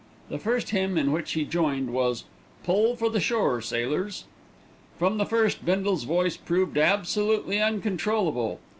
The first hymn in which he joined was "Pull for the Shore, Sailors." From the first Bindle's voice proved absolutely uncontrollable.